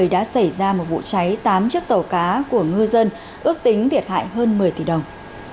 đã xảy ra một vụ cháy tám chiếc tàu cá của ngư dân ước tính thiệt hại hơn một mươi tỷ đồng